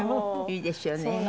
いいですよね。